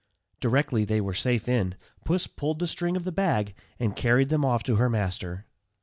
Directly they were safe in, Puss pulled the string of the bag, and carried them off to her master.